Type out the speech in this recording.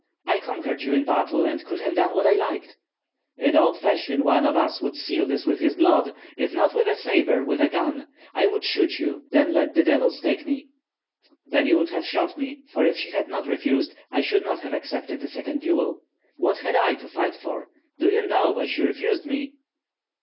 I conquered you in battle, and could have done what I liked." "In old fashion one of us would seal this with his blood, if not with a sabre, with a gun. I would shoot you; then let the devils take me." "Then you would have shot me, for if she had not refused I should not have accepted a second duel. What had I to fight for? Do you know why she refused me?"